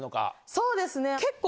そうですね結構。